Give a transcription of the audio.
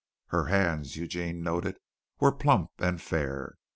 Her hands, Eugene noted, were plump and fair.